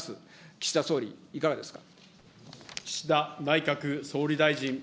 岸田総理、いかがですか。